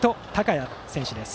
陽選手です。